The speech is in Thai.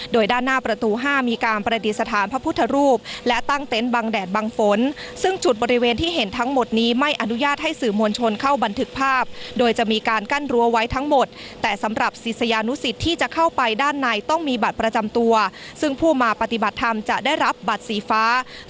โดยด้านหน้าประตู๕มีการประดิษฐานพระพุทธรูปและตั้งเต็นต์บังแดดบังฝนซึ่งจุดบริเวณที่เห็นทั้งหมดนี้ไม่อนุญาตให้สื่อมวลชนเข้าบันทึกภาพโดยจะมีการกั้นรั้วไว้ทั้งหมดแต่สำหรับศิษยานุสิตที่จะเข้าไปด้านในต้องมีบัตรประจำตัวซึ่งผู้มาปฏิบัติธรรมจะได้รับบัตรสีฟ้า